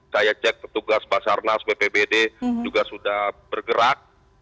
saya cek petugas pasar nas bpbd juga sudah bergerak